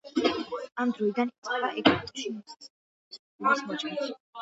ამ დროიდან იწყება ეგვიპტეში მისი სახელობის ფულის მოჭრაც.